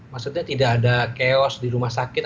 maksudnya tidak ada chaos di rumah sakit